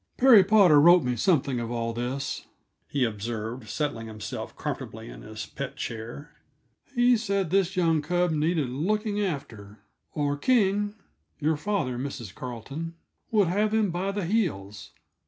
"Perry Potter wrote me something of all this," he observed, settling himself comfortably in his pet chair. "He said this young cub needed looking after, or King your father, Mrs. Carleton would have him by the heels.